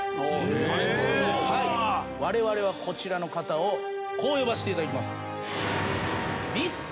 われわれはこちらの方をこう呼ばせていただきます。